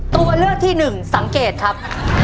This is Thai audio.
ตัวเลือกที่๑สังเกตครับ